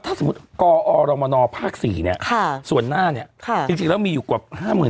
ถ้าสมมุติกอรมนภาค๔เนี่ยส่วนหน้าเนี่ยจริงแล้วมีอยู่กว่า๕๐๐๐